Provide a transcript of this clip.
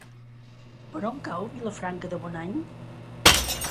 Per on cau Vilafranca de Bonany?